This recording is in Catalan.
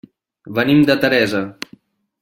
Venim de Teresa.